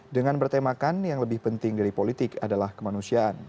dengan bertemakan yang lebih penting dari politik adalah kemanusiaan